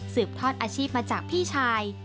ทอดอาชีพมาจากพี่ชาย